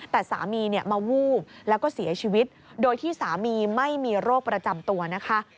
แต่สามีมาวูบแล้วก็เสียชีวิตโดยที่สามีไม่มีโรคประจำตัวนะคะ